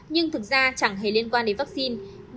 nhưng thực ra chẳng hề liên quan đến vaccine